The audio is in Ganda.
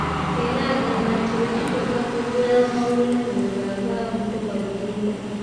Era agamba nti bwe kituuka ku gulaama w'olulimi olwo aba amukuba buddinda.